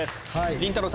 りんたろー。